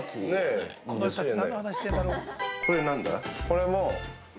これも。